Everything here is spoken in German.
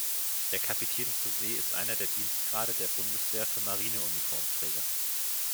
Der Kapitän zur See ist einer der Dienstgrade der Bundeswehr für Marineuniformträger.